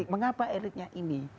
mengapa elitnya ini